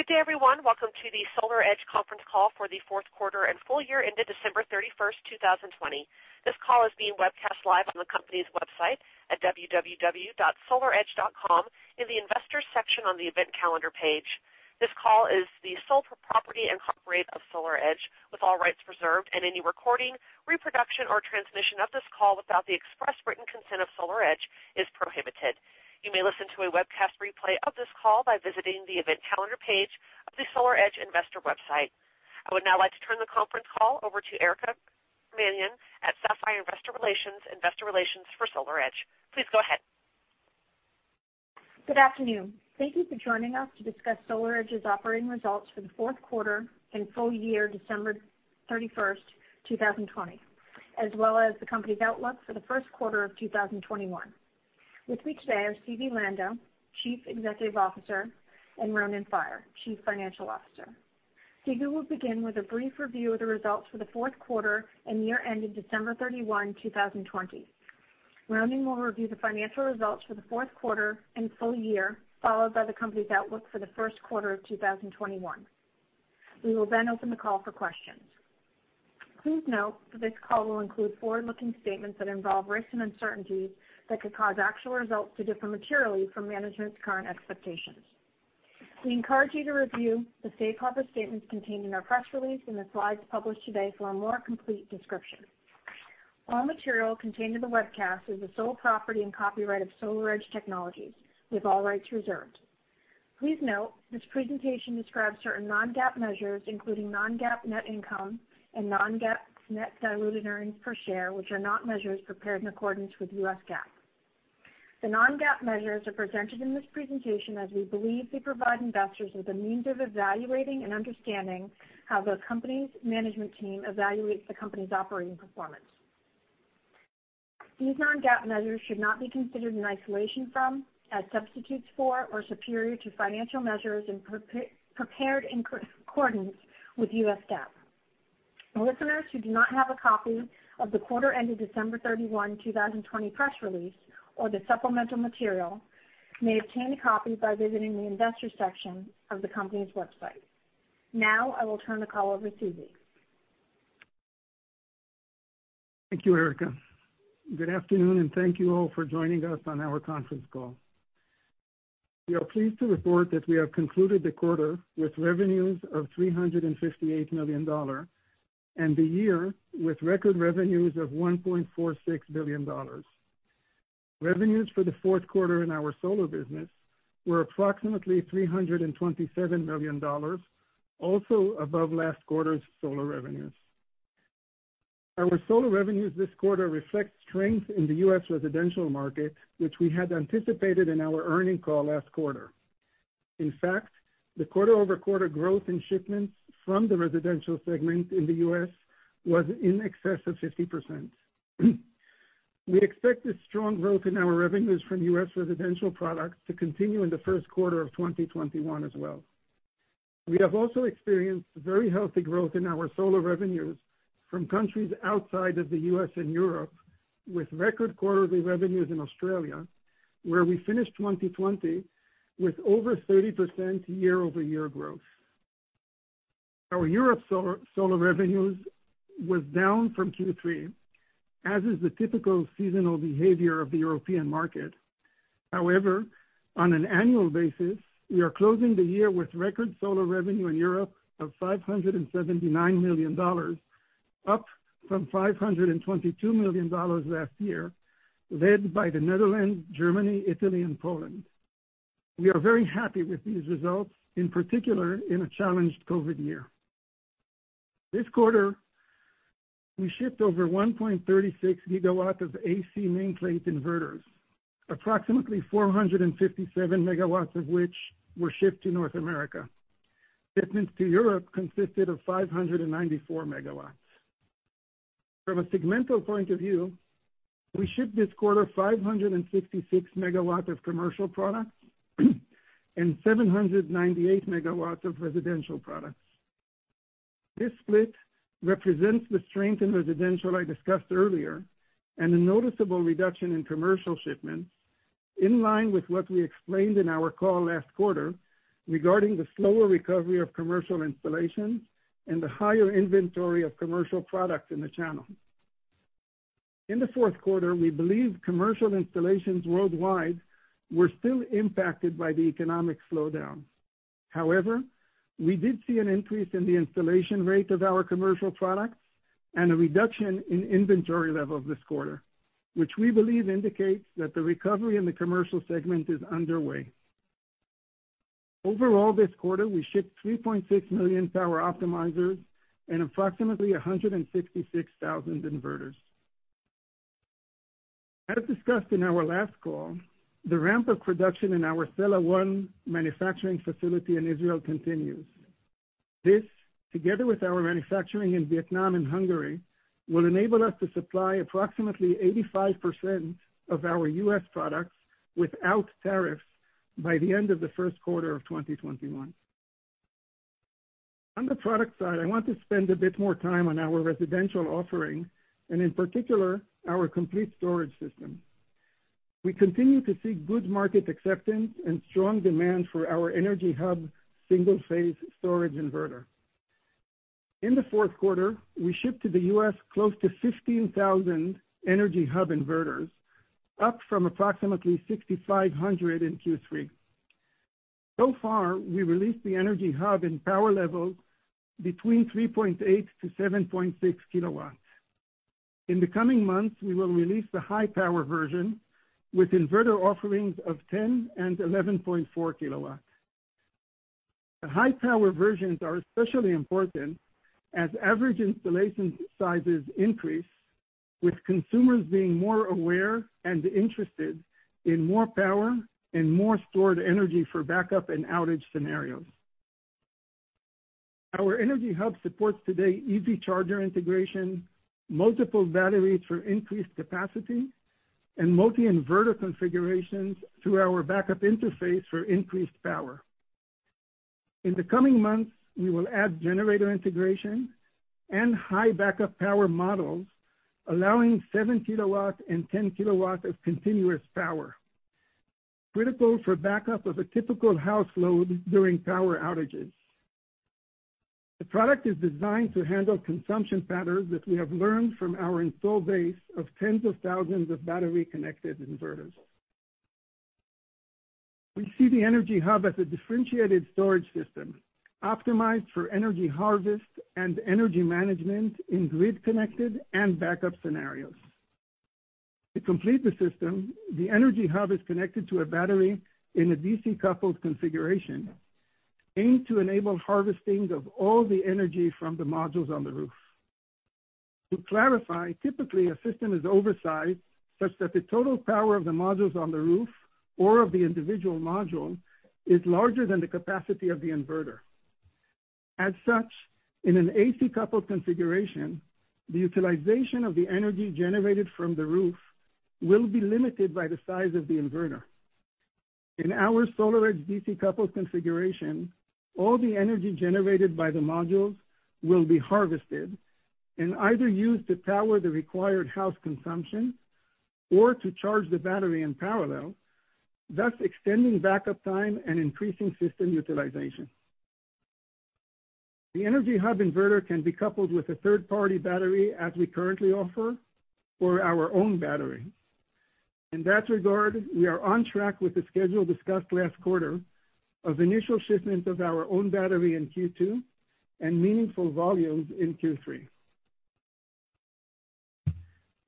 Good day, everyone. Welcome to the SolarEdge conference call for the fourth quarter and full year ended December 31st, 2020. This call is being webcast live from the company's website at www.solaredge.com in the Investors section on the Event Calendar page. This call is the sole property and copyright of SolarEdge, with all rights reserved, and any recording, reproduction, or transmission of this call without the express written consent of SolarEdge is prohibited. You may listen to a webcast replay of this call by visiting the Event Calendar page of the SolarEdge investor website. I would now like to turn the conference call over to Erica Mannion at Sapphire Investor Relations, investor relations for SolarEdge. Please go ahead. Good afternoon. Thank you for joining us to discuss SolarEdge's operating results for the fourth quarter and full year, December 31st, 2020, as well as the company's outlook for the first quarter of 2021. With me today are Zvi Lando, Chief Executive Officer, and Ronen Faier, Chief Financial Officer. Zvi will begin with a brief review of the results for the fourth quarter and year ended December 31, 2020. Ronen will review the financial results for the fourth quarter and full year, followed by the company's outlook for the first quarter of 2021. We will then open the call for questions. Please note that this call will include forward-looking statements that involve risks and uncertainties that could cause actual results to differ materially from management's current expectations. We encourage you to review the safe harbor statements contained in our press release and the slides published today for a more complete description. All material contained in the webcast is the sole property and copyright of SolarEdge Technologies. We have all rights reserved. Please note, this presentation describes certain non-GAAP measures, including non-GAAP net income and non-GAAP net diluted earnings per share, which are not measures prepared in accordance with U.S. GAAP. The non-GAAP measures are presented in this presentation as we believe they provide investors with a means of evaluating and understanding how the company's management team evaluates the company's operating performance. These non-GAAP measures should not be considered in isolation from, as substitutes for, or superior to financial measures prepared in accordance with U.S. GAAP. Listeners who do not have a copy of the quarter ended December 31, 2020, press release or the supplemental material may obtain a copy by visiting the Investors section of the company's website. Now, I will turn the call over to Zvi. Thank you, Erica. Good afternoon, thank you all for joining us on our conference call. We are pleased to report that we have concluded the quarter with revenues of $358 million and the year with record revenues of $1.46 billion. Revenues for the fourth quarter in our solar business were approximately $327 million, also above last quarter's solar revenues. Our solar revenues this quarter reflect strength in the U.S. residential market, which we had anticipated in our earning call last quarter. In fact, the quarter-over-quarter growth in shipments from the residential segment in the U.S. was in excess of 50%. We expect this strong growth in our revenues from U.S. residential products to continue in the first quarter of 2021 as well. We have also experienced very healthy growth in our solar revenues from countries outside of the U.S. and Europe, with record quarterly revenues in Australia, where we finished 2020 with over 30% year-over-year growth. Our Europe solar revenues was down from Q3, as is the typical seasonal behavior of the European market. However, on an annual basis, we are closing the year with record solar revenue in Europe of $579 million, up from $522 million last year, led by the Netherlands, Germany, Italy, and Poland. We are very happy with these results, in particular in a challenged COVID year. This quarter, we shipped over 1.36 GW of AC nameplate inverters, approximately 457 MW of which were shipped to North America. Shipments to Europe consisted of 594 MW. From a segmental point of view, we shipped this quarter 566 MW of commercial products and 798 MW of residential products. This split represents the strength in residential I discussed earlier and a noticeable reduction in commercial shipments, in line with what we explained in our call last quarter regarding the slower recovery of commercial installations and the higher inventory of commercial products in the channel. In the fourth quarter, we believe commercial installations worldwide were still impacted by the economic slowdown. However, we did see an increase in the installation rate of our commercial products and a reduction in inventory level this quarter, which we believe indicates that the recovery in the commercial segment is underway. Overall, this quarter, we shipped 3.6 million power optimizers and approximately 166,000 inverters. As discussed in our last call, the ramp of production in our Sella 1 manufacturing facility in Israel continues. This, together with our manufacturing in Vietnam and Hungary, will enable us to supply approximately 85% of our U.S. products without tariffs by the end of the first quarter of 2021. On the product side, I want to spend a bit more time on our residential offering, and in particular, our complete storage system. We continue to see good market acceptance and strong demand for our Energy Hub single-phase storage inverter. In the fourth quarter, we shipped to the U.S. close to 15,000 Energy Hub inverters, up from approximately 6,500 in Q3. So far, we released the Energy Hub in power levels between 3.8 kW-7.6 kW. In the coming months, we will release the high-power version with inverter offerings of 10 kW and 11.4 kW. The high-power versions are especially important as average installation sizes increase, with consumers being more aware and interested in more power and more stored energy for backup and outage scenarios. Our Energy Hub supports today EV charger integration, multiple batteries for increased capacity, and multi-inverter configurations through our backup interface for increased power. In the coming months, we will add generator integration and high backup power models allowing 7 kW and 10 kW of continuous power, critical for backup of a typical house load during power outages. The product is designed to handle consumption patterns that we have learned from our installed base of tens of thousands of battery-connected inverters. We see the Energy Hub as a differentiated storage system, optimized for energy harvest and energy management in grid-connected and backup scenarios. To complete the system, the Energy Hub is connected to a battery in a DC-coupled configuration, aimed to enable harvesting of all the energy from the modules on the roof. To clarify, typically a system is oversized such that the total power of the modules on the roof or of the individual module is larger than the capacity of the inverter. As such, in an AC-coupled configuration, the utilization of the energy generated from the roof will be limited by the size of the inverter. In our SolarEdge DC-coupled configuration, all the energy generated by the modules will be harvested and either used to power the required house consumption or to charge the battery in parallel, thus extending backup time and increasing system utilization. The Energy Hub inverter can be coupled with a third-party battery as we currently offer, or our own battery. In that regard, we are on track with the schedule discussed last quarter of initial shipment of our own battery in Q2 and meaningful volumes in Q3.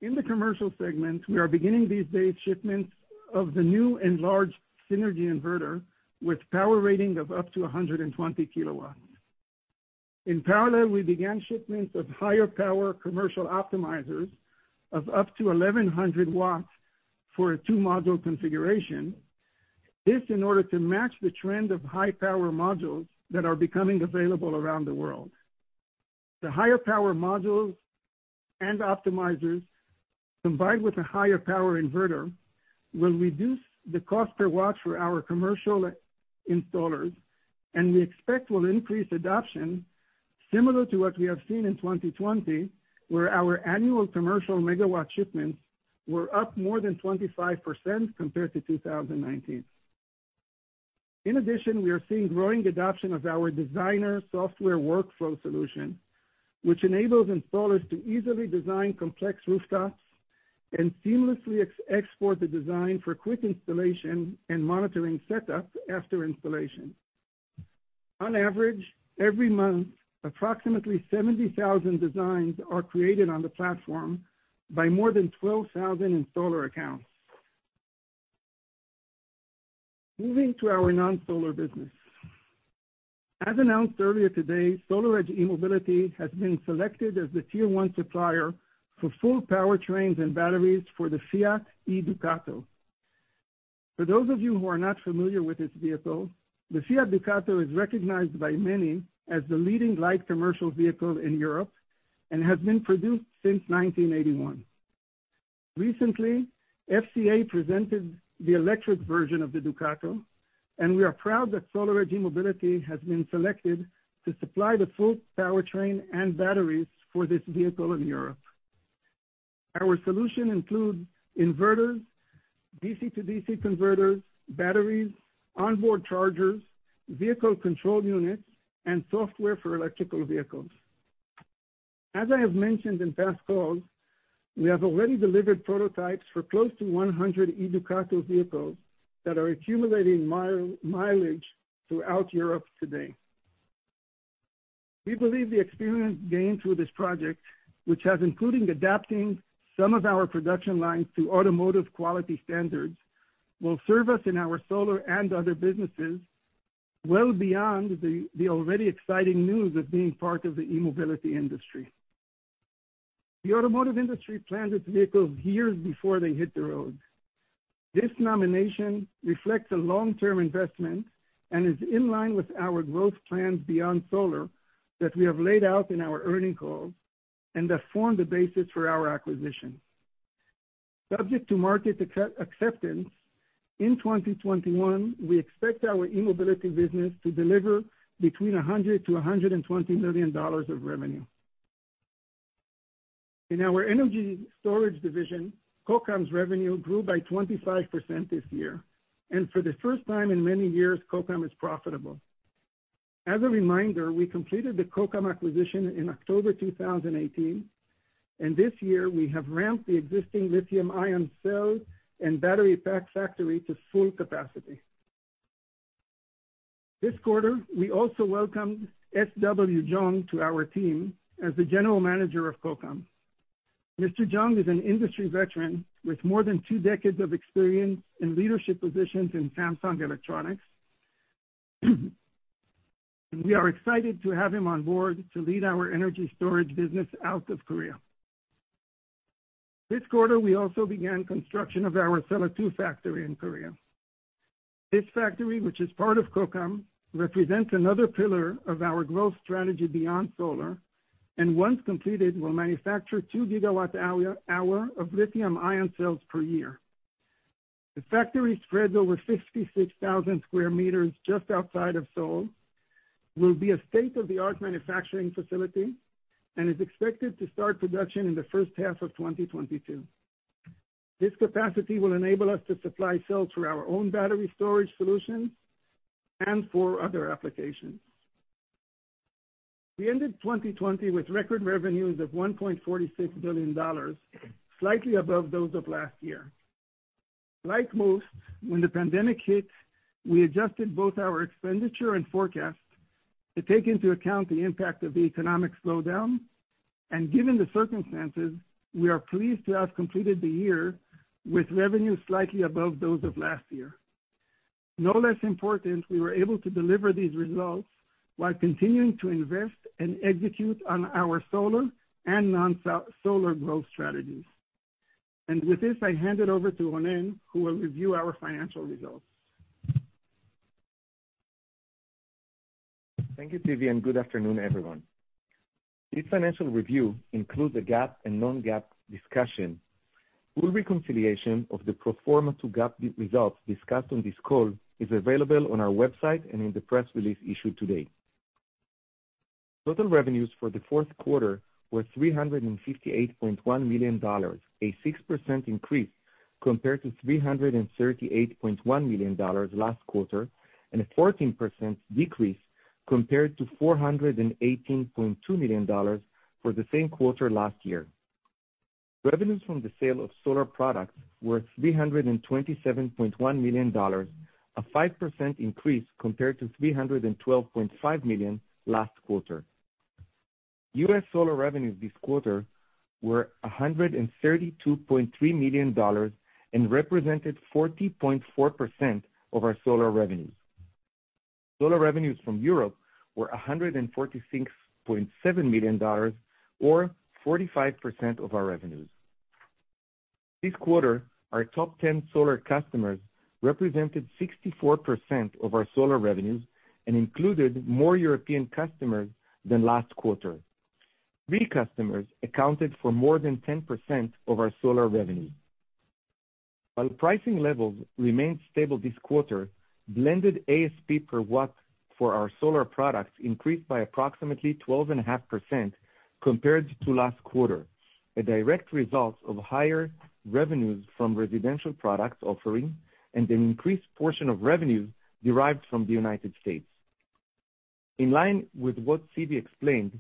In the commercial segment, we are beginning these base shipments of the new enlarged Synergy inverter with power rating of up to 120 kilowatts. In parallel, we began shipments of higher power commercial optimizers of up to 1,100 W for a two-module configuration. This in order to match the trend of high-power modules that are becoming available around the world. The higher power modules and optimizers, combined with a higher power inverter, will reduce the cost per watt for our commercial installers and we expect will increase adoption similar to what we have seen in 2020, where our annual commercial megawatt shipments were up more than 25% compared to 2019. In addition, we are seeing growing adoption of our Designer software workflow solution, which enables installers to easily design complex rooftops and seamlessly export the design for quick installation and monitoring setup after installation. On average, every month, approximately 70,000 designs are created on the platform by more than 12,000 installer accounts. Moving to our non-solar business. As announced earlier today, SolarEdge e-Mobility has been selected as the Tier 1 supplier for full powertrains and batteries for the Fiat E-Ducato. For those of you who are not familiar with this vehicle, the Fiat Ducato is recognized by many as the leading light commercial vehicle in Europe and has been produced since 1981. Recently, FCA presented the electric version of the Ducato. We are proud that SolarEdge e-Mobility has been selected to supply the full powertrain and batteries for this vehicle in Europe. Our solution includes inverters, DC-to-DC converters, batteries, onboard chargers, vehicle control units, and software for electrical vehicles. As I have mentioned in past calls, we have already delivered prototypes for close to 100 E-Ducato vehicles that are accumulating mileage throughout Europe today. We believe the experience gained through this project, which has including adapting some of our production lines to automotive quality standards, will serve us in our solar and other businesses well beyond the already exciting news of being part of the e-Mobility industry. The automotive industry planned its vehicles years before they hit the road. This nomination reflects a long-term investment and is in line with our growth plans beyond solar that we have laid out in our earning calls and that form the basis for our acquisition. Subject to market acceptance, in 2021, we expect our e-Mobility business to deliver between $100 million-$120 million of revenue. In our energy storage division, Kokam's revenue grew by 25% this year. For the first time in many years, Kokam is profitable. As a reminder, we completed the Kokam acquisition in October 2018, and this year we have ramped the existing lithium-ion cell and battery pack factory to full capacity. This quarter, we also welcomed S.W. Jeong to our team as the General Manager of Kokam. Mr. Jeong is an industry veteran with more than two decades of experience in leadership positions in Samsung Electronics. We are excited to have him on board to lead our energy storage business out of Korea. This quarter, we also began construction of our Sella 2 factory in Korea. This factory, which is part of Kokam, represents another pillar of our growth strategy beyond solar, and once completed, will manufacture 2 GWh of lithium-ion cells per year. The factory spreads over 56,000 sq m just outside of Seoul, will be a state-of-the-art manufacturing facility, and is expected to start production in the first half of 2022. This capacity will enable us to supply cells for our own battery storage solutions and for other applications. We ended 2020 with record revenues of $1.46 billion, slightly above those of last year. Like most, when the pandemic hit, we adjusted both our expenditure and forecast to take into account the impact of the economic slowdown. Given the circumstances, we are pleased to have completed the year with revenue slightly above those of last year. No less important, we were able to deliver these results while continuing to invest and execute on our solar and non-solar growth strategies. With this, I hand it over to Ronen, who will review our financial results. Thank you, Zvi, and good afternoon, everyone. This financial review includes the GAAP and non-GAAP discussion. Full reconciliation of the pro forma to GAAP results discussed on this call is available on our website and in the press release issued today. Total revenues for the fourth quarter were $358.1 million, a 6% increase compared to $338.1 million last quarter, and a 14% decrease compared to $418.2 million for the same quarter last year. Revenues from the sale of solar products were $327.1 million, a 5% increase compared to $312.5 million last quarter. U.S. solar revenues this quarter were $132.3 million and represented 40.4% of our solar revenues. Solar revenues from Europe were $146.7 million or 45% of our revenues. This quarter, our top 10 solar customers represented 64% of our solar revenues and included more European customers than last quarter. Three customers accounted for more than 10% of our solar revenue. While pricing levels remained stable this quarter, blended ASP per watt for our solar products increased by approximately 12.5% compared to last quarter, a direct result of higher revenues from residential products offering and an increased portion of revenues derived from the U.S.. In line with what Zvi explained,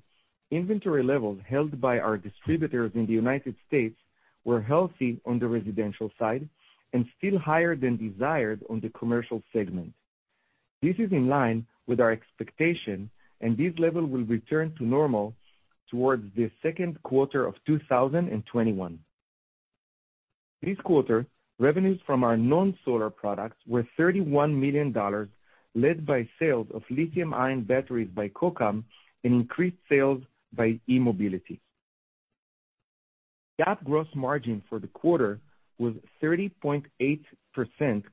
inventory levels held by our distributors in the U.S. were healthy on the residential side and still higher than desired on the commercial segment. This is in line with our expectation. This level will return to normal towards the second quarter of 2021. This quarter, revenues from our non-solar products were $31 million, led by sales of lithium-ion batteries by Kokam and increased sales by e-Mobility. GAAP gross margin for the quarter was 30.8%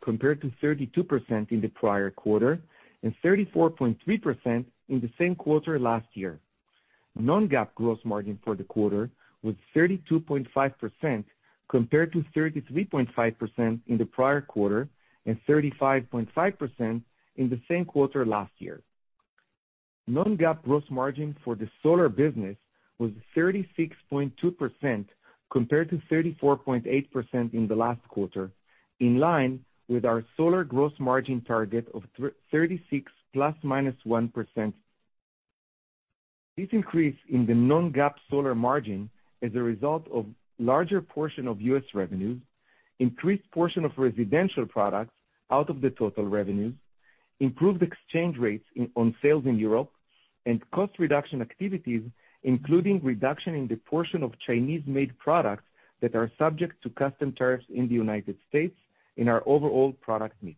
compared to 32% in the prior quarter and 34.3% in the same quarter last year. Non-GAAP gross margin for the quarter was 32.5% compared to 33.5% in the prior quarter and 35.5% in the same quarter last year. Non-GAAP gross margin for the solar business was 36.2% compared to 34.8% in the last quarter, in line with our solar gross margin target of 36 ±1%. This increase in the non-GAAP solar margin is a result of larger portion of U.S. revenues, increased portion of residential products out of the total revenues, improved exchange rates on sales in Europe, and cost reduction activities, including reduction in the portion of Chinese-made products that are subject to custom tariffs in the United States in our overall product mix.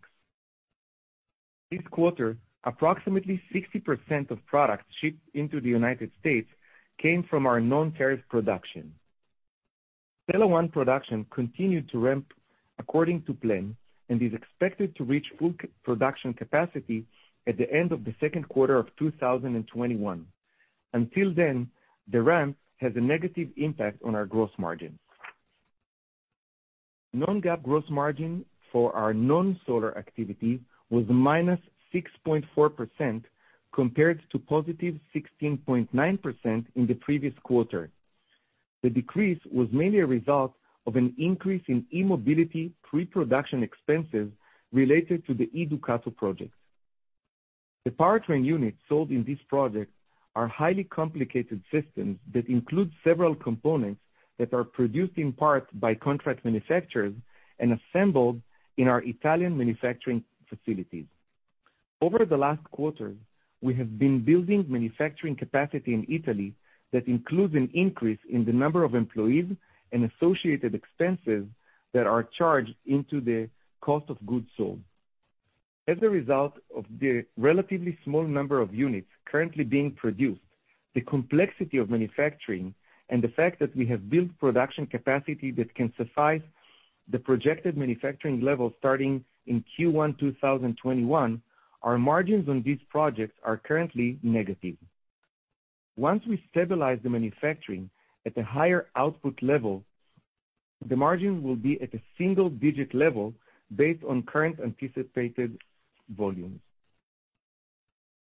This quarter, approximately 60% of products shipped into the United States came from our non-tariff production. Sella 1 production continued to ramp according to plan and is expected to reach full production capacity at the end of the second quarter of 2021. Until then, the ramp has a negative impact on our gross margin. Non-GAAP gross margin for our non-solar activity was -6.4%, compared to positive 16.9% in the previous quarter. The decrease was mainly a result of an increase in e-Mobility pre-production expenses related to the E-Ducato projects. The powertrain units sold in this project are highly complicated systems that include several components that are produced in part by contract manufacturers and assembled in our Italian manufacturing facilities. Over the last quarter, we have been building manufacturing capacity in Italy that includes an increase in the number of employees and associated expenses that are charged into the cost of goods sold. As a result of the relatively small number of units currently being produced, the complexity of manufacturing, and the fact that we have built production capacity that can suffice the projected manufacturing levels starting in Q1 2021, our margins on these projects are currently negative. Once we stabilize the manufacturing at a higher output level, the margin will be at a single-digit level based on current anticipated volumes.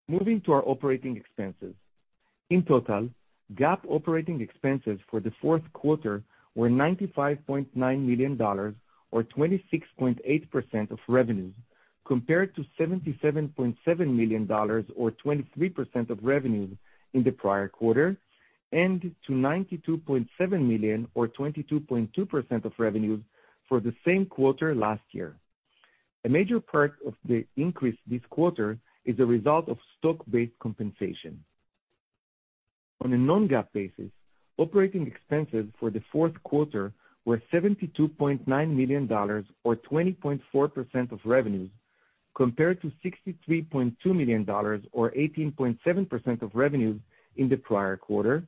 Moving to our operating expenses. In total, GAAP operating expenses for the fourth quarter were $95.9 million or 26.8% of revenues, compared to $77.7 million or 23% of revenues in the prior quarter, and to $92.7 million or 22.2% of revenues for the same quarter last year. A major part of the increase this quarter is a result of stock-based compensation. On a non-GAAP basis, operating expenses for the fourth quarter were $72.9 million or 20.4% of revenues, compared to $63.2 million or 18.7% of revenues in the prior quarter,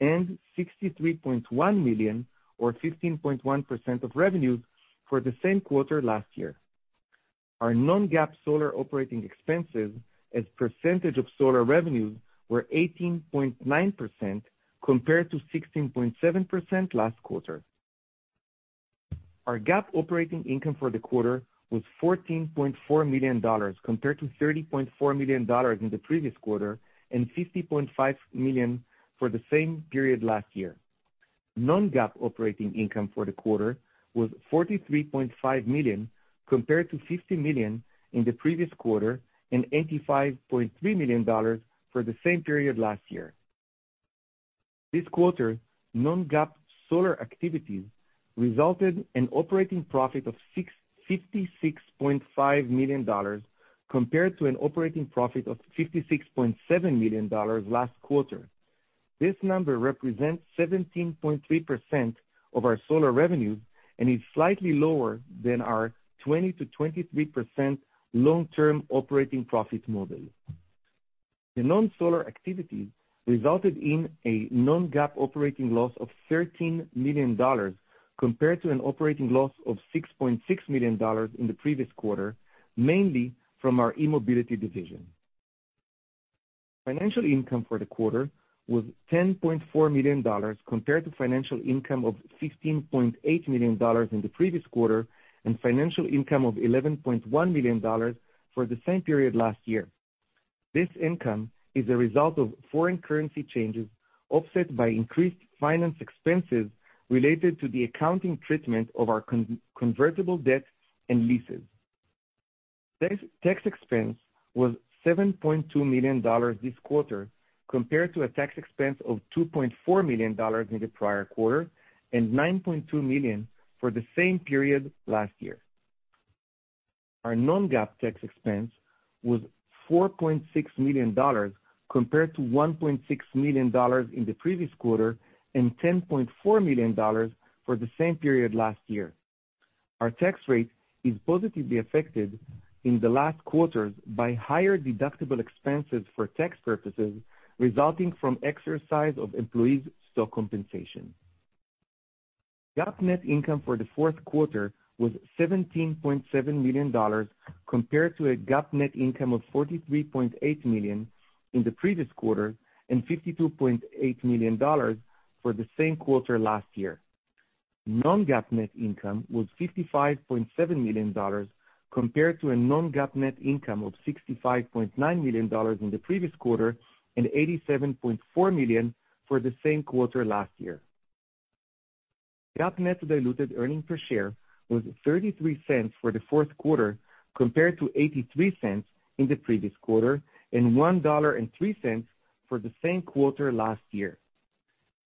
and $63.1 million or 15.1% of revenues for the same quarter last year. Our non-GAAP solar operating expenses as percentage of solar revenues were 18.9% compared to 16.7% last quarter. Our GAAP operating income for the quarter was $14.4 million, compared to $30.4 million in the previous quarter and $50.5 million for the same period last year. Non-GAAP operating income for the quarter was $43.5 million, compared to $50 million in the previous quarter and $85.3 million for the same period last year. This quarter, non-GAAP solar activities resulted in operating profit of $56.5 million, compared to an operating profit of $56.7 million last quarter. This number represents 17.3% of our solar revenue and is slightly lower than our 20%-23% long-term operating profit model. The non-solar activity resulted in a non-GAAP operating loss of $13 million, compared to an operating loss of $6.6 million in the previous quarter, mainly from our e-Mobility division. Financial income for the quarter was $10.4 million, compared to financial income of $15.8 million in the previous quarter and financial income of $11.1 million for the same period last year. This income is a result of foreign currency changes offset by increased finance expenses related to the accounting treatment of our convertible debt and leases. Tax expense was $7.2 million this quarter, compared to a tax expense of $2.4 million in the prior quarter and $9.2 million for the same period last year. Our non-GAAP tax expense was $4.6 million compared to $1.6 million in the previous quarter and $10.4 million for the same period last year. Our tax rate is positively affected in the last quarters by higher deductible expenses for tax purposes resulting from exercise of employees' stock compensation. GAAP net income for the fourth quarter was $17.7 million, compared to a GAAP net income of $43.8 million in the previous quarter and $52.8 million for the same quarter last year. Non-GAAP net income was $55.7 million, compared to a non-GAAP net income of $65.9 million in the previous quarter and $87.4 million for the same quarter last year. GAAP net diluted earnings per share was $0.33 for the fourth quarter, compared to $0.83 in the previous quarter and $1.03 for the same quarter last year.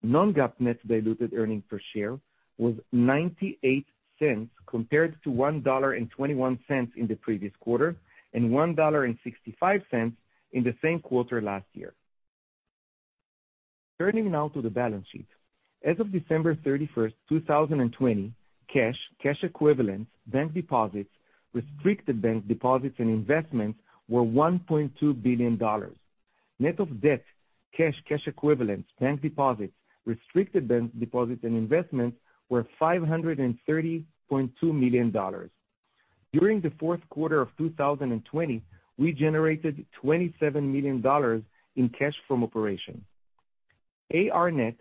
Non-GAAP net diluted earnings per share was $0.98, compared to $1.21 in the previous quarter and $1.65 in the same quarter last year. Turning now to the balance sheet. As of December 31st, 2020, cash equivalents, bank deposits, restricted bank deposits and investments were $1.2 billion. Net of debt, cash equivalents, bank deposits, restricted bank deposits and investments were $530.2 million. During the fourth quarter of 2020, we generated $27 million in cash from operations. AR net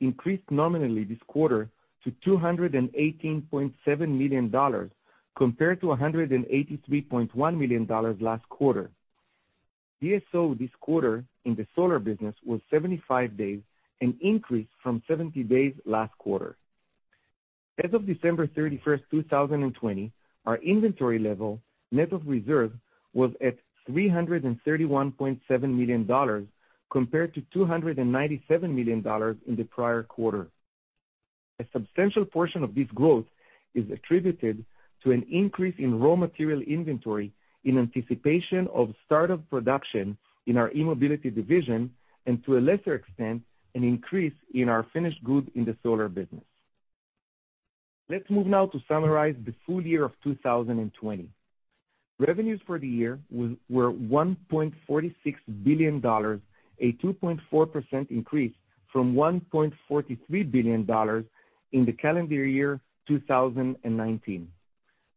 increased nominally this quarter to $218.7 million compared to $183.1 million last quarter. DSO this quarter in the solar business was 75 days, an increase from 70 days last quarter. As of December 31st, 2020, our inventory level, net of reserve, was at $331.7 million compared to $297 million in the prior quarter. A substantial portion of this growth is attributed to an increase in raw material inventory in anticipation of start of production in our e-Mobility division, and to a lesser extent, an increase in our finished goods in the solar business. Let's move now to summarize the full year of 2020. Revenues for the year were $1.46 billion, a 2.4% increase from $1.43 billion in the calendar year 2019.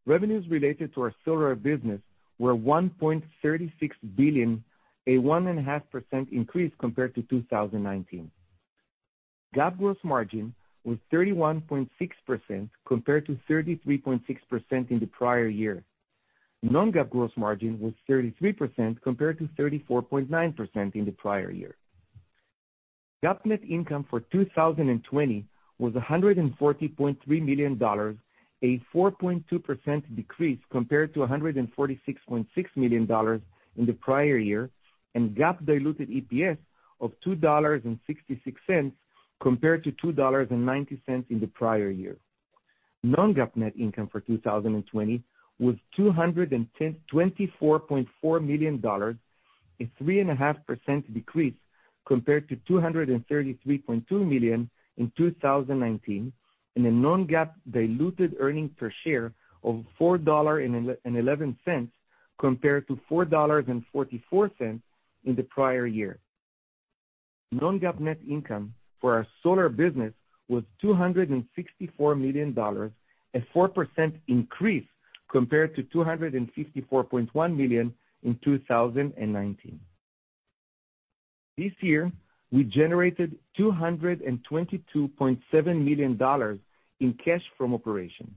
Revenues related to our solar business were $1.36 billion, a 1.5% increase compared to 2019. GAAP gross margin was 31.6% compared to 33.6% in the prior year. Non-GAAP gross margin was 33% compared to 34.9% in the prior year. GAAP net income for 2020 was $140.3 million, a 4.2% decrease compared to $146.6 million in the prior year, and GAAP diluted EPS of $2.66 compared to $2.90 in the prior year. Non-GAAP net income for 2020 was $224.4 million, a 3.5% decrease compared to $233.2 million in 2019, and a non-GAAP diluted earnings per share of $4.11 compared to $4.44 in the prior year. Non-GAAP net income for our solar business was $264 million, a 4% increase compared to $254.1 million in 2019. This year, we generated $222.7 million in cash from operations.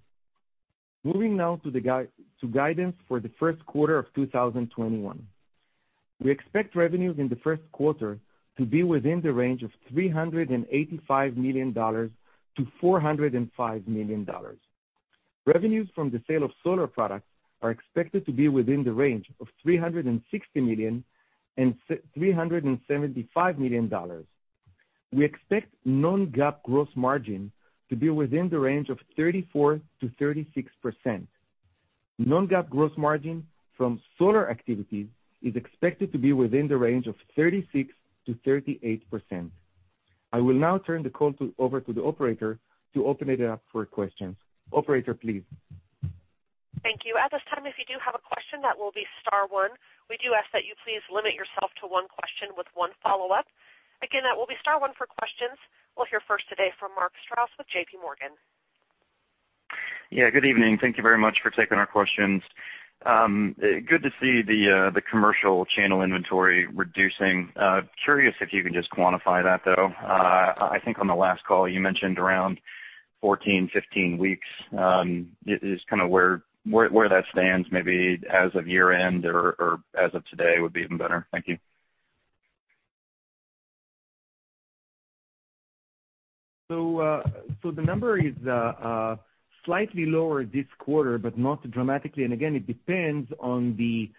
Moving now to guidance for the first quarter of 2021. We expect revenues in the first quarter to be within the range of $385 million-$405 million. Revenues from the sale of solar products are expected to be within the range of $360 million-$375 million. We expect non-GAAP gross margin to be within the range of 34%-36%. Non-GAAP gross margin from solar activities is expected to be within the range of 36%-38%. I will now turn the call over to the operator to open it up for questions. Operator, please. Thank you. At this time, if you do have a question, that will be star one. We do ask that you please limit yourself to one question with one follow-up. Again, that will be star one for questions. We'll hear first today from Mark Strouse with JPMorgan. Yeah. Good evening. Thank you very much for taking our questions. Good to see the commercial channel inventory reducing. Curious if you can just quantify that, though. I think on the last call you mentioned around 14, 15 weeks. Is kind of where that stands maybe as of year-end or as of today would be even better. Thank you. The number is slightly lower this quarter, but not dramatically. Again, it depends on the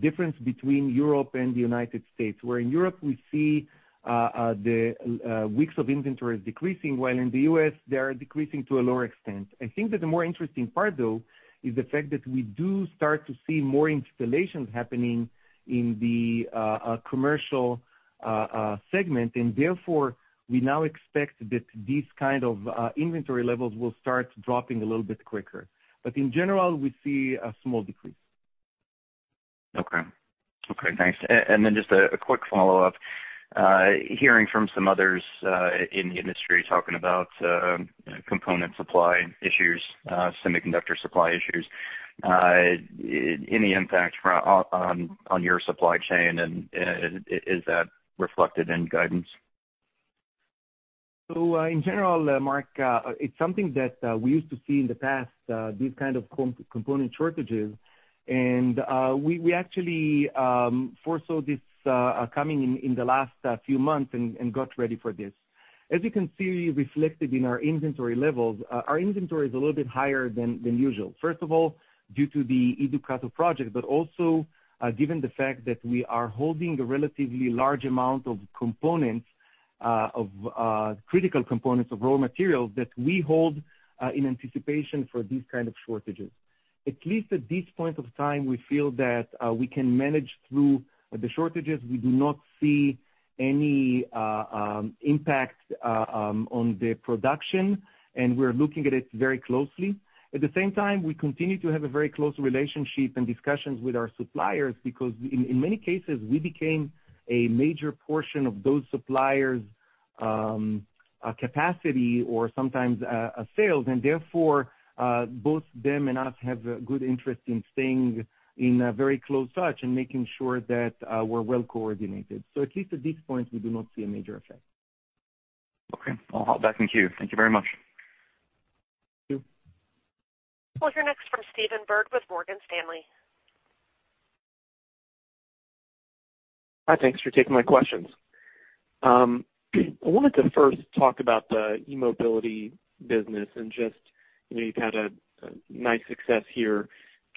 difference between Europe and the United States, where in Europe we see the weeks of inventories decreasing, while in the U.S. they are decreasing to a lower extent. I think that the more interesting part, though, is the fact that we do start to see more installations happening in the commercial segment, and therefore we now expect that these kind of inventory levels will start dropping a little bit quicker. In general, we see a small decrease. Okay. Thanks. Just a quick follow-up. Hearing from some others in the industry talking about component supply issues, semiconductor supply issues, any impact on your supply chain, and is that reflected in guidance? In general, Mark, it's something that we used to see in the past, these kind of component shortages, and we actually foresaw this coming in the last few months and got ready for this. As you can see reflected in our inventory levels, our inventory is a little bit higher than usual. First of all, due to the E-Ducato project, but also given the fact that we are holding a relatively large amount of critical components of raw materials that we hold in anticipation for these kind of shortages. At least at this point of time, we feel that we can manage through the shortages. We do not see any impact on the production, and we're looking at it very closely. At the same time, we continue to have a very close relationship and discussions with our suppliers, because in many cases, we became a major portion of those suppliers' capacity or sometimes sales, therefore both them and us have a good interest in staying in very close touch and making sure that we're well-coordinated. At least at this point, we do not see a major effect. Okay. I'll hop back in queue. Thank you very much. Thank you. We'll hear next from Stephen Byrd with Morgan Stanley. Hi. Thanks for taking my questions. I wanted to first talk about the e-Mobility business and just, you've had a nice success here.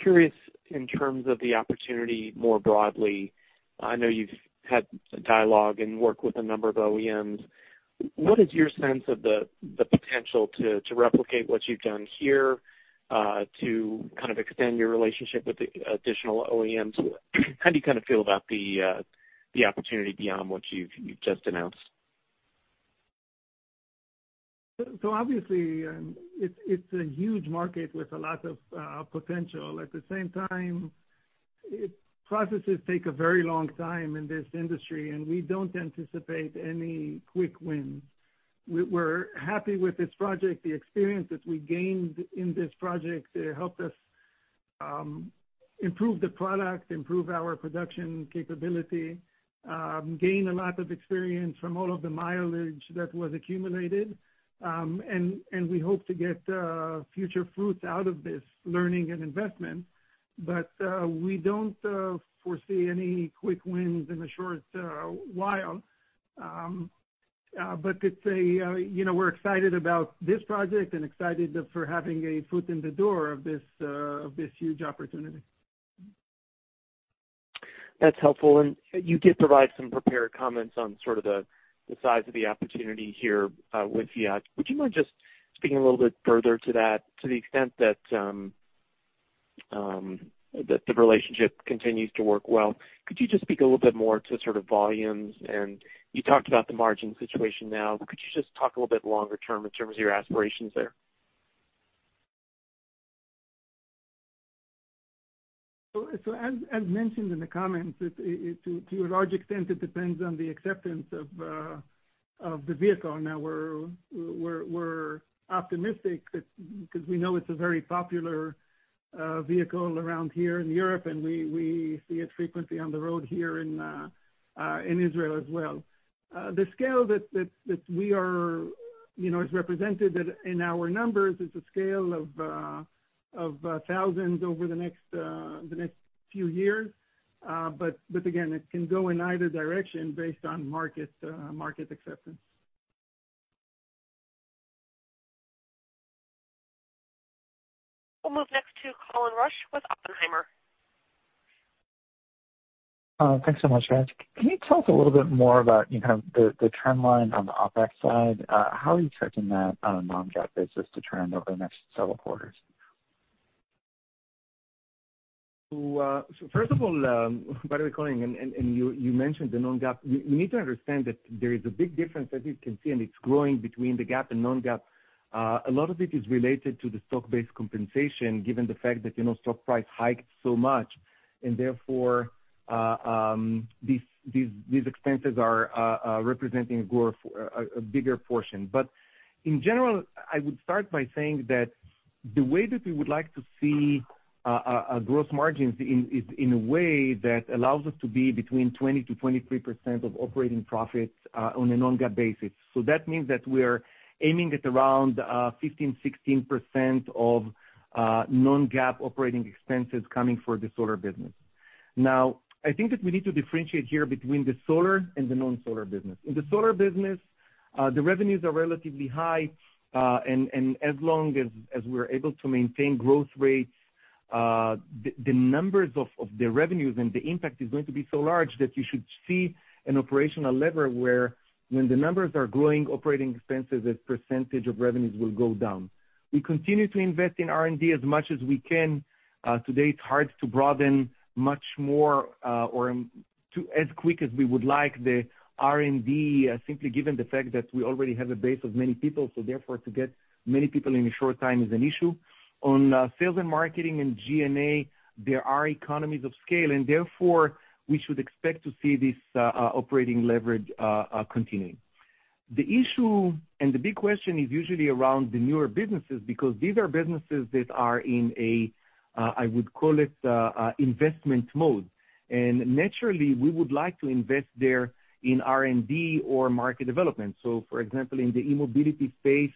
Curious in terms of the opportunity more broadly, I know you've had dialogue and work with a number of OEMs. What is your sense of the potential to replicate what you've done here, to kind of extend your relationship with the additional OEMs? How do you feel about the opportunity beyond what you've just announced? Obviously, it's a huge market with a lot of potential. At the same time, processes take a very long time in this industry, and we don't anticipate any quick wins. We're happy with this project. The experience that we gained in this project helped us improve the product, improve our production capability, gain a lot of experience from all of the mileage that was accumulated. We hope to get future fruits out of this learning and investment. We don't foresee any quick wins in a short while. You know, we're excited about this project and excited for having a foot in the door of this huge opportunity. That's helpful. You did provide some prepared comments on sort of the size of the opportunity here, with Fiat. Would you mind just speaking a little bit further to that, to the extent that the relationship continues to work well? Could you just speak a little bit more to sort of volumes? You talked about the margin situation now. Could you just talk a little bit longer term in terms of your aspirations there? As mentioned in the comments, to a large extent, it depends on the acceptance of the vehicle. We're optimistic that because we know it's a very popular vehicle around here in Europe, and we see it frequently on the road here in Israel as well. The scale that we are, you know, it's represented that in our numbers, it's a scale of thousands over the next few years. But again, it can go in either direction based on market acceptance. We'll move next to Colin Rusch with Oppenheimer. Thanks so much, guys. Can you tell us a little bit more about kind of the trend line on the OpEx side? How are you expecting that on a non-GAAP basis to trend over the next several quarters? First of all, by the way, Colin, you mentioned the non-GAAP. You need to understand that there is a big difference as you can see, and it's growing between the GAAP and non-GAAP. A lot of it is related to the stock-based compensation, given the fact that stock price hiked so much and therefore, these expenses are representing a bigger portion. In general, I would start by saying that the way that we would like to see gross margins is in a way that allows us to be between 20%-23% of operating profits on a non-GAAP basis. That means that we're aiming at around 15%-16% of non-GAAP operating expenses coming for the solar business. I think that we need to differentiate here between the solar and the non-solar business. In the solar business, the revenues are relatively high. As long as we're able to maintain growth rates, the numbers of the revenues and the impact is going to be so large that you should see an operational lever where when the numbers are growing, operating expenses as percentage of revenues will go down. We continue to invest in R&D as much as we can. Today, it's hard to broaden much more, or as quick as we would like the R&D, simply given the fact that we already have a base of many people. Therefore, to get many people in a short time is an issue. On sales and marketing and G&A, there are economies of scale, and therefore we should expect to see this operating leverage continuing. The issue and the big question is usually around the newer businesses, because these are businesses that are in a, I would call it, investment mode. Naturally, we would like to invest there in R&D or market development. For example, in the e-Mobility space,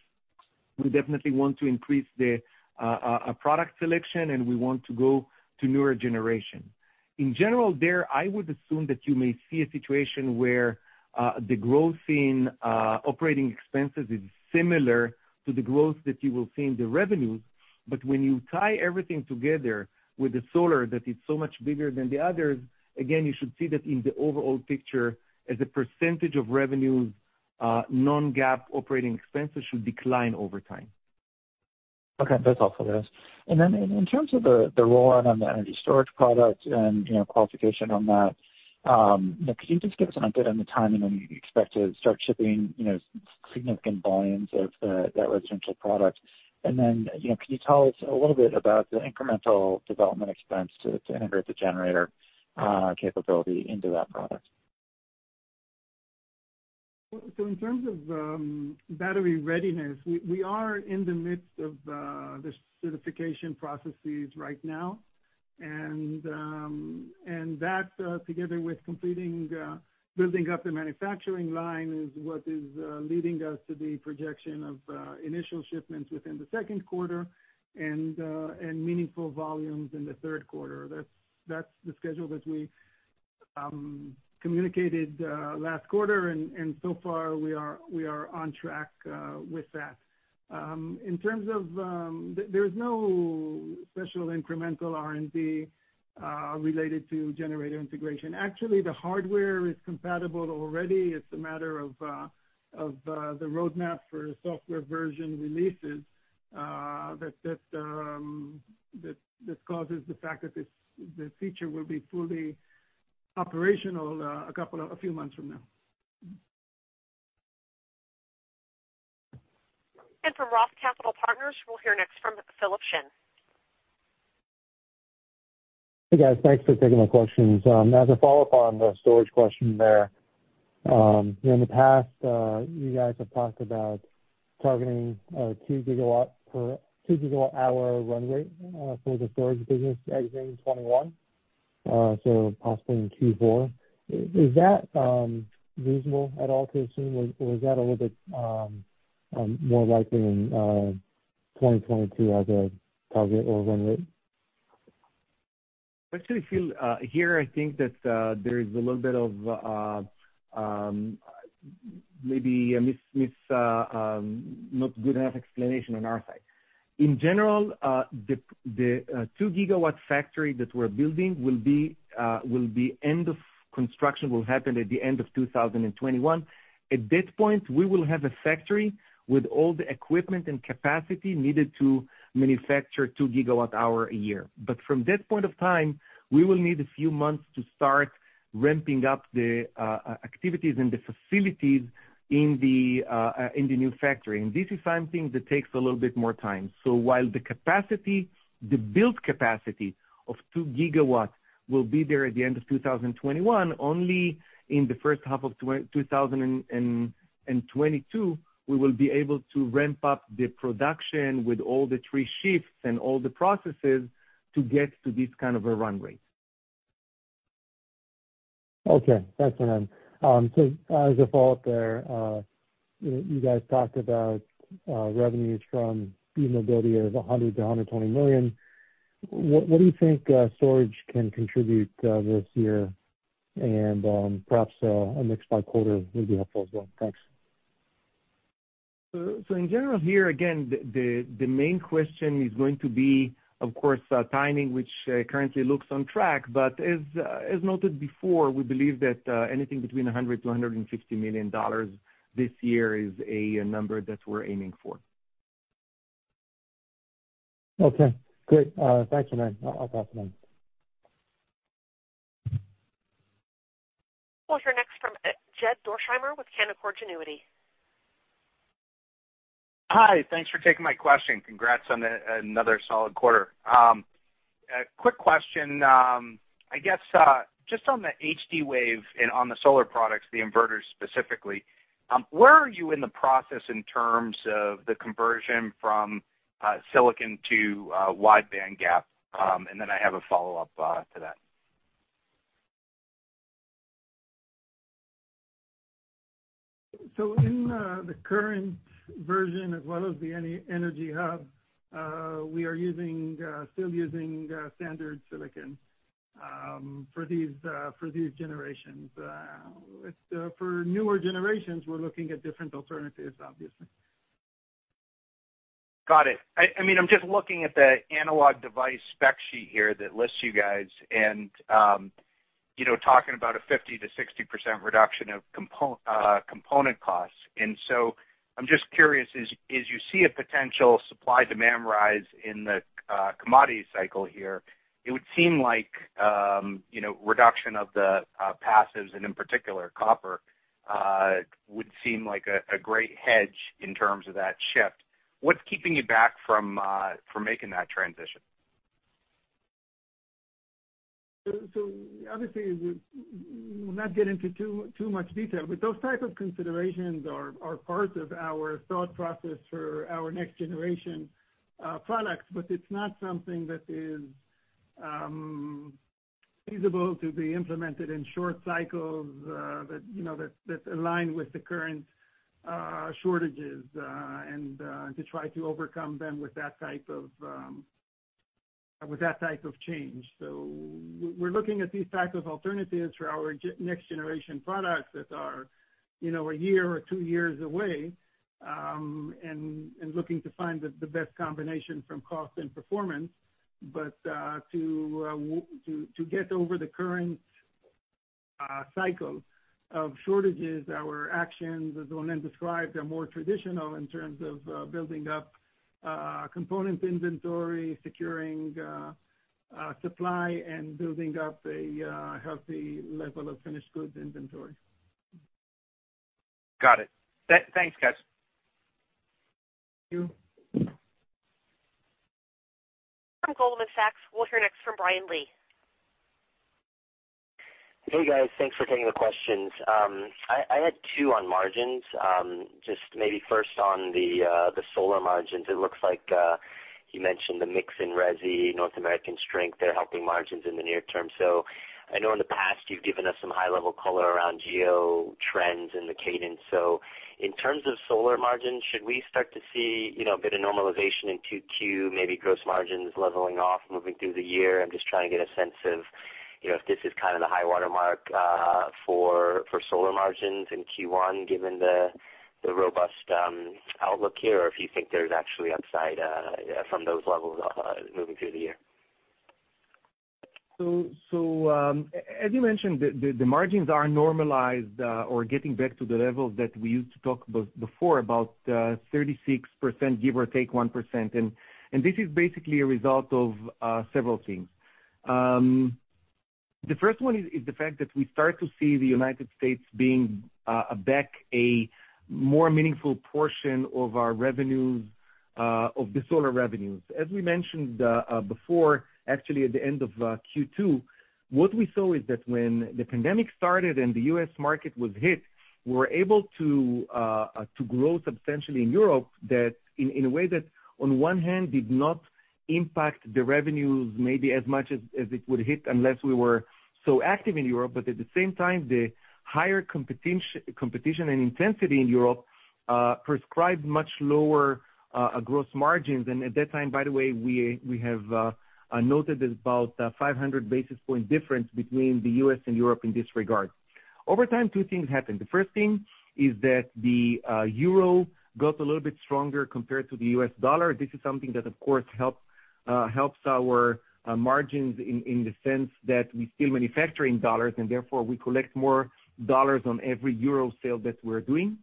we definitely want to increase the product selection, and we want to go to newer generation. In general, there, I would assume that you may see a situation where the growth in operating expenses is similar to the growth that you will see in the revenues. When you tie everything together with the solar, that is so much bigger than the others, again, you should see that in the overall picture as a percentage of revenues, non-GAAP operating expenses should decline over time. Okay. That's all for this. In terms of the rollout on the energy storage product and qualification on that, could you just give us an update on the timing when you expect to start shipping, you know, significant volumes of that residential product? And then, can you tell us a little bit about the incremental development expense to integrate the generator capability into that product? In terms of battery readiness, we are in the midst of the certification processes right now. That, together with completing building up the manufacturing line, is what is leading us to the projection of initial shipments within the second quarter and meaningful volumes in the third quarter. That's the schedule that we communicated last quarter, and so far we are on track with that. There's no special incremental R&D related to generator integration. Actually, the hardware is compatible already. It's a matter of the roadmap for software version releases that causes the fact that the feature will be fully operational a few months from now. From Roth Capital Partners, we'll hear next from Philip Shen. Hey, guys. Thanks for taking my questions. As a follow-up on the storage question there, in the past, you guys have talked about targeting a 2 GW-hour run rate for the storage business exiting 2021, so possibly in Q4. Is that reasonable at all to assume, or is that a little bit more likely in 2022 as a target or run rate? Actually, Phil, here, I think that there is a little bit of maybe a not good enough explanation on our side. In general, the 2 GW factory that we're building, construction will happen at the end of 2021. At that point, we will have a factory with all the equipment and capacity needed to manufacture 2 GW-hour a year. From that point of time, we will need a few months to start ramping up the activities and the facilities in the new factory. This is something that takes a little bit more time. While the built capacity of two gigawatts will be there at the end of 2021, only in the first half of 2022, we will be able to ramp up the production with all the three shifts and all the processes to get to this kind of a run rate. Okay. Thanks, Ronen. As a follow-up there, you guys talked about revenues from e-Mobility of $100 million-$120 million. What do you think storage can contribute this year? Perhaps a next by quarter would be helpful as well. Thanks. In general, here again, the main question is going to be, of course, timing, which currently looks on track. But, as noted before, we believe that anything between $100 million-$150 million this year is a number that we're aiming for. Okay, great. Thanks, Ronen. I'll pass it on. We'll hear next from Jed Dorsheimer with Canaccord Genuity. Hi. Thanks for taking my question. Congrats on another solid quarter. Quick question, I guess, just on the HD-Wave and on the solar products, the inverters specifically, where are you in the process in terms of the conversion from silicon to wide bandgap? I have a follow-up to that. In the current version as well as the Energy Hub, we are still using standard silicon for these generations. For newer generations, we're looking at different alternatives, obviously. Got it. I'm just looking at the Analog Devices spec sheet here that lists you guys, and, you know, talking about a 50%-60% reduction of component costs. I'm just curious, as you see a potential supply-demand rise in the commodity cycle here, it would seem like reduction of the passives, and in particular, copper, would seem like a great hedge in terms of that shift. What's keeping you back from making that transition? Obviously, we'll not get into too much detail, but those type of considerations are part of our thought process for our next generation products, but it's not something that is feasible to be implemented in short cycles that align with the current shortages, and to try to overcome them with that type of change. We're looking at these types of alternatives for our next generation products that are, you know, a year or two years away, and looking to find the best combination from cost and performance. To get over the current cycle of shortages, our actions, as Ronen described, are more traditional in terms of building up components inventory, securing supply, and building up a healthy level of finished goods inventory. Got it. Thanks, guys. Thank you. From Goldman Sachs, we'll hear next from Brian Lee. Hey, guys. Thanks for taking the questions. I had two on margins. Just maybe first on the solar margins, it looks like you mentioned the mix in resi, North American strength, they're helping margins in the near term. I know in the past you've given us some high-level color around geo trends and the cadence. In terms of solar margins, should we start to see a bit of normalization in Q2, maybe gross margins leveling off moving through the year? I'm just trying to get a sense of if, you know, this is kind of the high water mark for solar margins in Q1, given the robust outlook here, or if you think there's actually upside from those levels moving through the year. As you mentioned, the margins are normalized or getting back to the levels that we used to talk about before, about 36%, give or take 1%. This is basically a result of several things. The first one is the fact that we start to see the U.S. being back a more meaningful portion of the solar revenues. As we mentioned before, actually, at the end of Q2, what we saw is that when the pandemic started and the U.S. market was hit, we were able to grow substantially in Europe in a way that on one hand did not impact the revenues maybe as much as it would hit unless we were so active in Europe. At the same time, the higher competition and intensity in Europe prescribed much lower gross margins. At that time, by the way, we have noted about 500 basis point difference between the U.S. and Europe in this regard. Over time, two things happened. The first thing is that the euro got a little bit stronger compared to the U.S. dollar. This is something that, of course, helps our margins in the sense that we still manufacture in dollars, and therefore we collect more dollars on every euro sale that we're doing.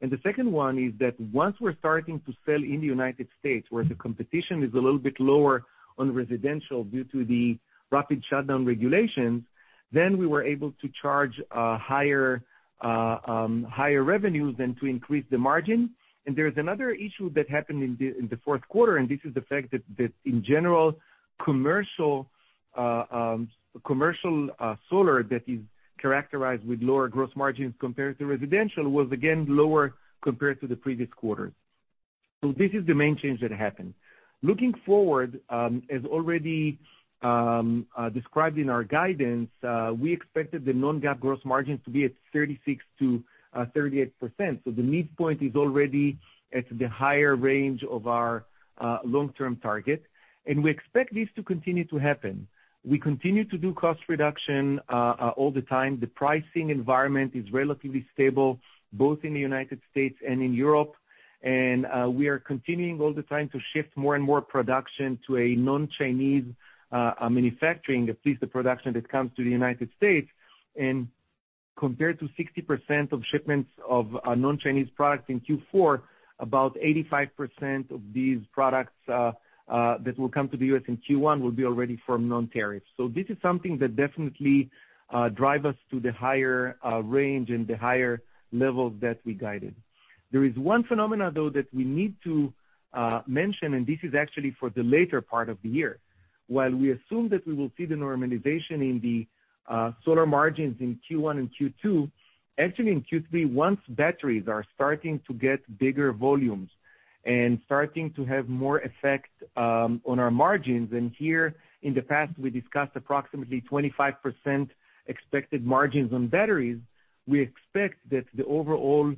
The second one is that once we're starting to sell in the United States, where the competition is a little bit lower on residential due to the rapid shutdown regulations, then we were able to charge higher revenues than to increase the margin. There's another issue that happened in the fourth quarter, and this is the fact that in general, commercial solar that is characterized with lower gross margins compared to residential, was again lower compared to the previous quarter. This is the main change that happened. Looking forward, as already described in our guidance, we expected the non-GAAP gross margins to be at 36%-38%. The midpoint is already at the higher range of our long-term target, and we expect this to continue to happen. We continue to do cost reduction all the time. The pricing environment is relatively stable, both in the United States and in Europe, and we are continuing all the time to shift more and more production to a non-Chinese manufacturing, at least the production that comes to the United States. Compared to 60% of shipments of non-Chinese products in Q4, about 85% of these products that will come to the U.S. in Q1 will be already from non-tariff. This is something that definitely drive us to the higher range and the higher levels that we guided. There is one phenomenon, though, that we need to mention, and this is actually for the later part of the year. While we assume that we will see the normalization in the solar margins in Q1 and Q2, actually in Q3, once batteries are starting to get bigger volumes and starting to have more effect on our margins, and here in the past, we discussed approximately 25% expected margins on batteries, we expect that the overall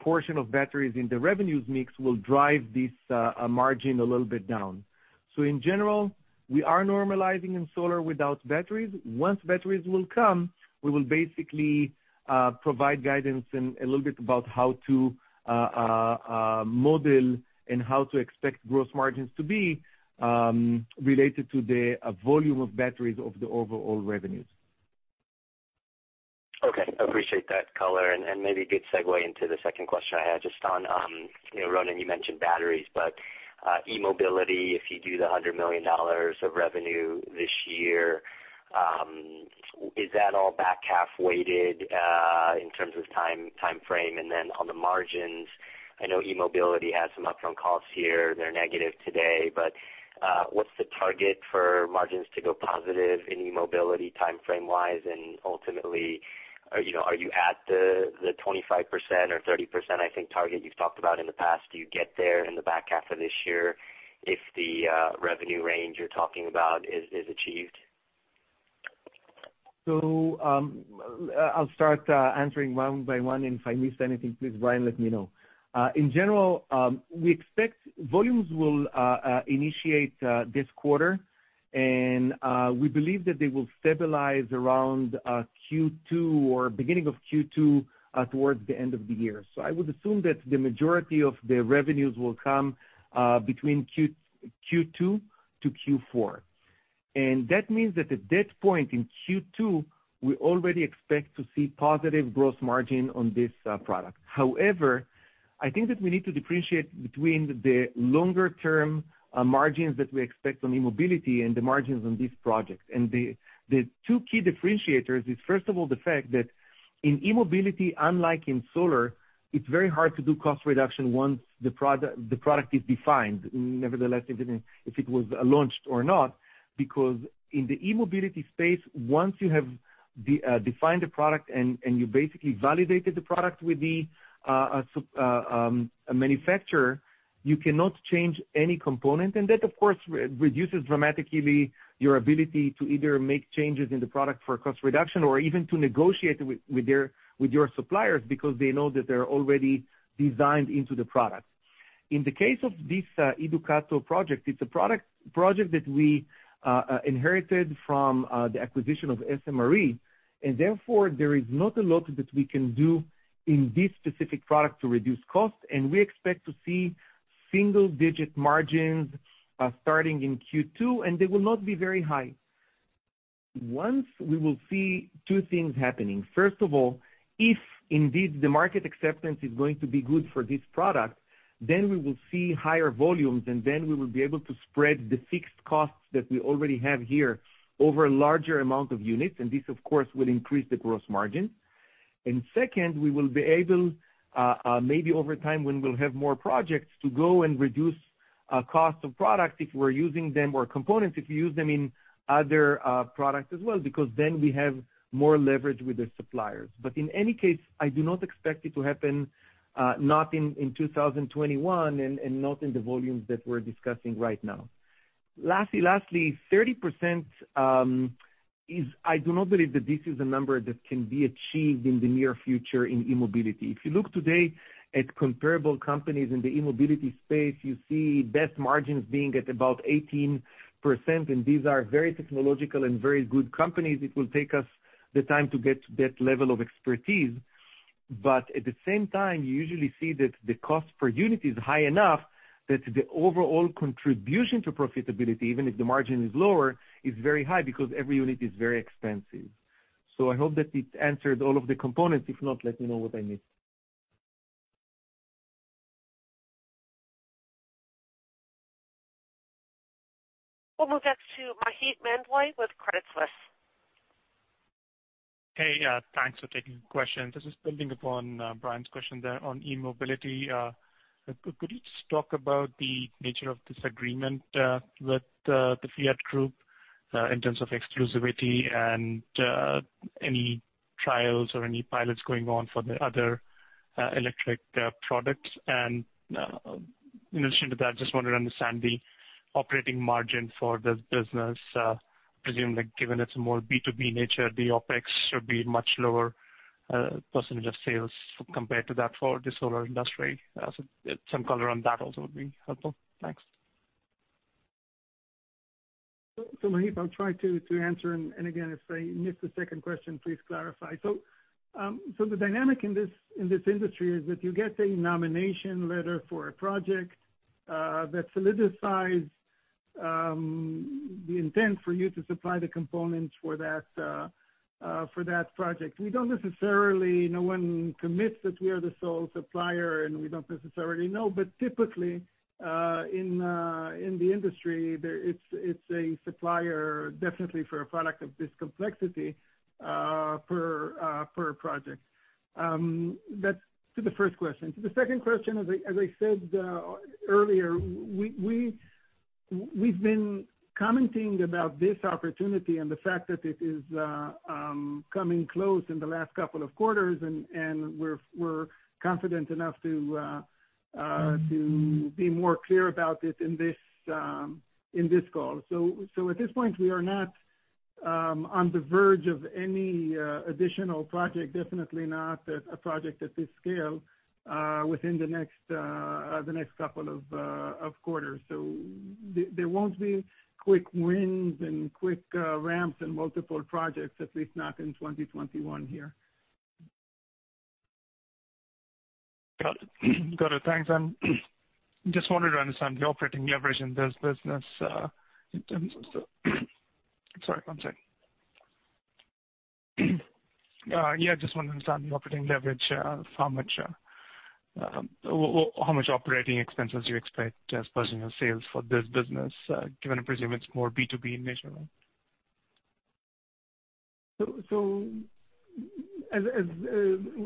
portion of batteries in the revenues mix will drive this margin a little bit down. In general, we are normalizing in solar without batteries. Once batteries will come, we will basically provide guidance and a little bit about how to model and how to expect gross margins to be related to the volume of batteries of the overall revenues. Okay, appreciate that color, and maybe a good segue into the second question I had just on, Ronen, you mentioned batteries, but e-Mobility, if you do the $100 million of revenue this year, is that all back-half weighted in terms of timeframe? Then on the margins, I know e-Mobility has some upfront costs here. They're negative today, but what's the target for margins to go positive in e-Mobility timeframe-wise? Ultimately, are you at the 25% or 30%, I think, target you've talked about in the past? Do you get there in the back half of this year if the revenue range you're talking about is achieved? I'll start answering one by one, and if I miss anything, please, Brian, let me know. In general, we expect volumes will initiate this quarter, and we believe that they will stabilize around Q2 or beginning of Q2 towards the end of the year. I would assume that the majority of the revenues will come between Q2-Q4. That means that at that point in Q2, we already expect to see positive gross margin on this product. However, I think that we need to differentiate between the longer-term margins that we expect on e-Mobility and the margins on this project. The two key differentiators is, first of all, the fact that in e-Mobility, unlike in solar, it's very hard to do cost reduction once the product is defined, nevertheless, if it was launched or not, because in the e-Mobility space, once you have defined the product and you basically validated the product with the manufacturer, you cannot change any component. That, of course, reduces dramatically your ability to either make changes in the product for cost reduction or even to negotiate with your suppliers because they know that they're already designed into the product. In the case of this E-Ducato project, it's a project that we inherited from the acquisition of SMRE, therefore, there is not a lot that we can do in this specific product to reduce cost. We expect to see single-digit margins starting in Q2, they will not be very high. Once, we will see two things happening. First of all, if indeed the market acceptance is going to be good for this product, then we will see higher volumes, and then we will be able to spread the fixed costs that we already have here over a larger amount of units, and this, of course, will increase the gross margin. Second, we will be able, maybe over time when we'll have more projects, to go and reduce cost of product if we're using them, or components if you use them in other products as well, because then we have more leverage with the suppliers. In any case, I do not expect it to happen, not in 2021 and not in the volumes that we're discussing right now. Lastly, 30% is, I do not believe that this is a number that can be achieved in the near future in e-Mobility. If you look today at comparable companies in the e-Mobility space, you see best margins being at about 18%, and these are very technological and very good companies. It will take us the time to get to that level of expertise. But at the same time, you usually see that the cost per unit is high enough that the overall contribution to profitability, even if the margin is lower, is very high because every unit is very expensive. So, I hope that this answered all of the components. If not, let me know what I missed. We'll move next to Maheep Mandloi with Credit Suisse. Hey, thanks for taking the question. This is building upon Brian's question there on e-Mobility. Could you just talk about the nature of this agreement with the Fiat Group in terms of exclusivity and any trials or any pilots going on for the other electric products? In addition to that, just wanted to understand the operating margin for this business. I presume, given its more B2B nature, the OpEx should be much lower percentage of sales compared to that for the solar industry. Some color on that also would be helpful. Thanks. Maheep, I'll try to answer, and again, if I miss the second question, please clarify. The dynamic in this industry is that you get a nomination letter for a project that solidifies the intent for you to supply the components for that project. No one commits that we are the sole supplier, and we don't necessarily know. Typically, in the industry, it's a supplier definitely for a product of this complexity for a project. That's to the first question. To the second question, as I said earlier, we've been commenting about this opportunity and the fact that it is coming close in the last couple of quarters, and we're confident enough to be more clear about it in this call. At this point, we are not on the verge of any additional project, definitely not a project at this scale, within the next couple of quarters. There won't be quick wins and quick ramps and multiple projects, at least not in 2021 here. Got it. Thanks. I just wanted to understand the operating leverage in this business, in terms of the, sorry, one second. Yeah, just wanted to understand the operating leverage. How much operating expenses you expect as a percentage of sales for this business, given I presume it's more B2B in nature, right?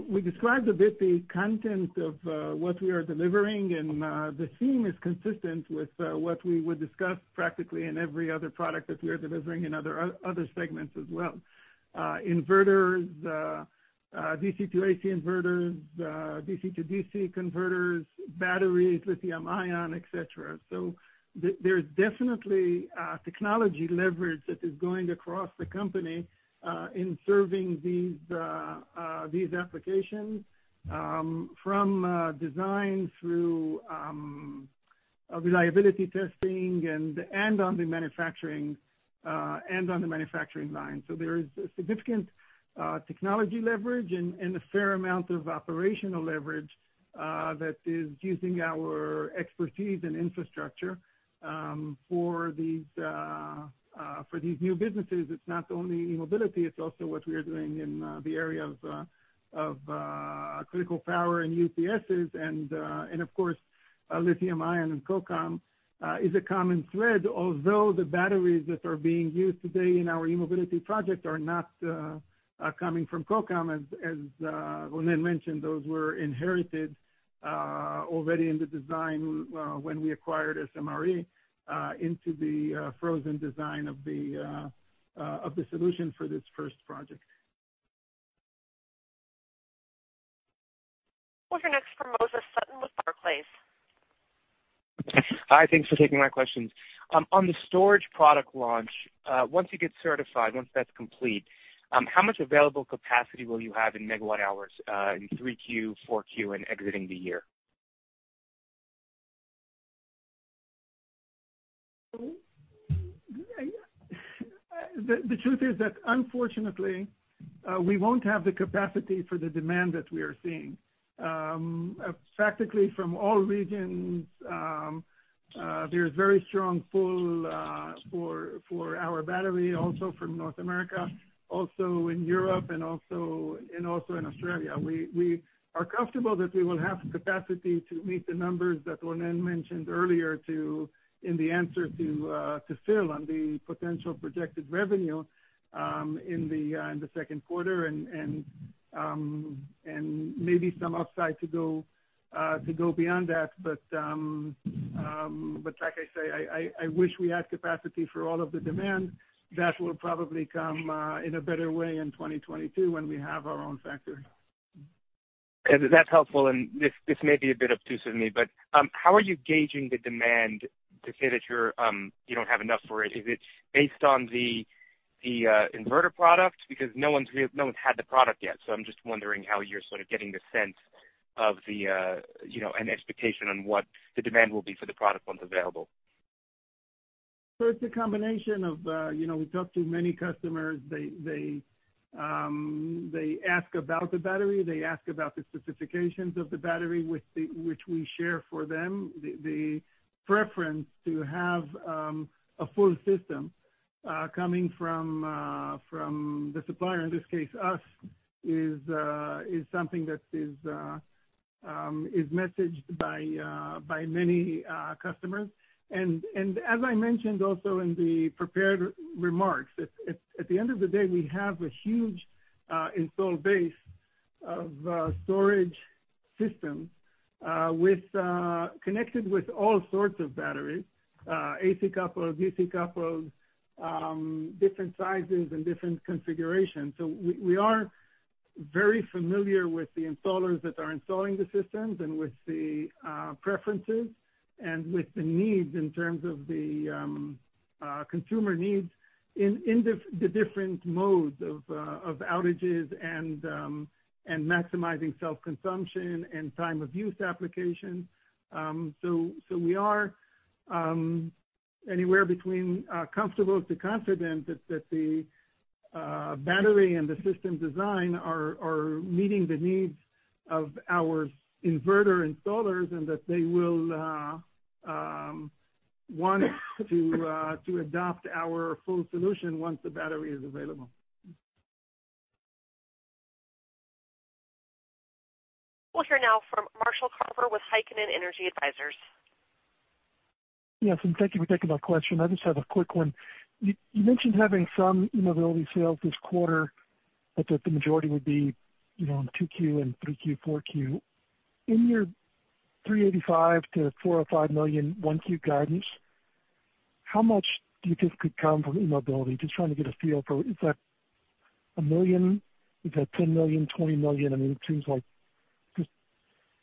We described a bit the content of what we are delivering, and the theme is consistent with what we would discuss practically in every other product that we are delivering in other segments as well. Inverters, DC-to-AC inverters, DC-to-DC converters, batteries, lithium-ion, et cetera. There's definitely technology leverage that is going across the company in serving these applications from design through reliability testing and on the manufacturing line. There is a significant technology leverage and a fair amount of operational leverage that is using our expertise in infrastructure for these new businesses. It's not only e-Mobility, it's also what we are doing in the area of critical power and UPSs and of course, lithium-ion and Kokam is a common thread. Although the batteries that are being used today in our e-Mobility project are not coming from Kokam as Ronen mentioned, those were inherited already in the design when we acquired SMRE into the frozen design of the solution for this first project. We'll hear next from Moses Sutton with Barclays. Hi, thanks for taking my questions. On the storage product launch, once you get certified, once that's complete, how much available capacity will you have in megawatt hours in Q3, Q4, and exiting the year? The truth is that unfortunately, we won't have the capacity for the demand that we are seeing. Practically from all regions, there's very strong pull for our battery, also from North America, also in Europe and also in Australia. We are comfortable that we will have the capacity to meet the numbers that Ronen mentioned earlier, in the answer to Phil on the potential projected revenue in the second quarter and maybe some upside to go beyond that. Like I say, I wish we had capacity for all of the demand. That will probably come in a better way in 2022 when we have our own factory. That's helpful, and this may be a bit obtuse of me, but how are you gauging the demand to say that you don't have enough for it? Is it based on the inverter product? Because no one's had the product yet, so I'm just wondering how you're sort of getting the sense of an expectation on what the demand will be for the product once available. It's a combination of we talked to many customers. They ask about the battery, they ask about the specifications of the battery, which we share for them. The preference to have a full system coming from the supplier, in this case us, is something that is messaged by many customers. As I mentioned also in the prepared remarks, at the end of the day, we have a huge install base of storage systems connected with all sorts of batteries, AC-coupled, DC-coupled, different sizes and different configurations. We are very familiar with the installers that are installing the systems and with the preferences and with the needs in terms of the consumer needs in the different modes of outages and maximizing self-consumption and time-of-use application. We are anywhere between comfortable to confident that the battery and the system design are meeting the needs of our inverter installers and that they will want to adopt our full solution once the battery is available. We'll hear now from Marshall Carver with Heikkinen Energy Advisors. Yes, thank you for taking my question. I just have a quick one. You mentioned having some e-mobility sales this quarter, but that the majority would be, you know, in Q2 and Q3, Q4. In your $385 million-$405 million Q1 guidance, how much do you think could come from e-Mobility? Trying to get a feel for, is that a million? Is that $10 million? $20 million? I mean, it seems like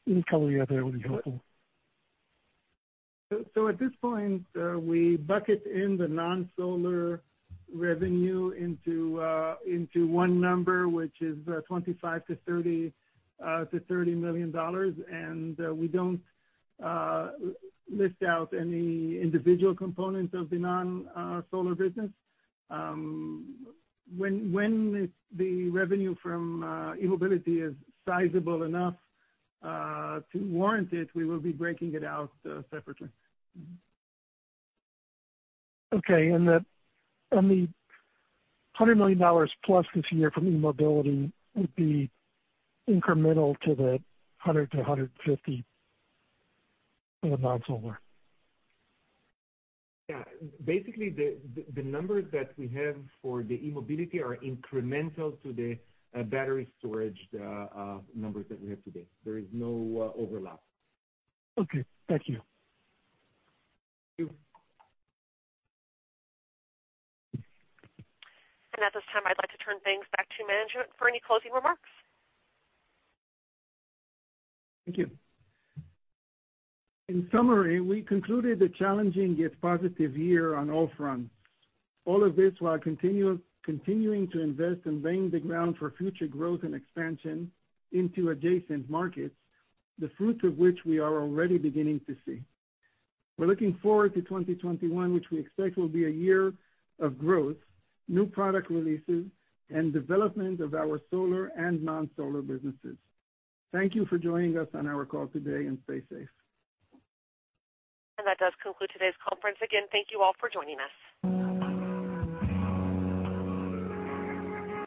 just any color you have there would be helpful. At this point, we bucket in the non-solar revenue into one number, which is $25 million-$30 million. We don't list out any individual components of the non-solar business. When the revenue from e-Mobility is sizable enough to warrant it, we will be breaking it out separately. Okay. The $100 million+ this year from e-Mobility would be incremental to the $100 million-$150 million in the non-solar. Yeah. Basically, the numbers that we have for the e-Mobility are incremental to the battery storage numbers that we have today. There is no overlap. Okay, thank you. Thank you. At this time, I'd like to turn things back to management for any closing remarks. Thank you. In summary, we concluded a challenging yet positive year on all fronts. All of this while continuing to invest and laying the ground for future growth and expansion into adjacent markets, the fruits of which we are already beginning to see. We're looking forward to 2021, which we expect will be a year of growth, new product releases, and development of our solar and non-solar businesses. Thank you for joining us on our call today, and stay safe. That does conclude today's conference. Again, thank you all for joining us.